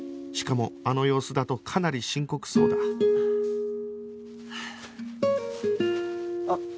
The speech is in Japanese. しかもあの様子だとかなり深刻そうだはあ。